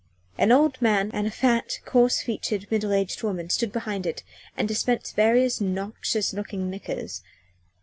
An old man and a fat, coarse featured, middle aged woman stood behind it and dispensed various noxious looking liquors.